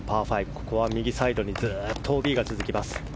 ここは右サイドにずっとＯＢが続きます。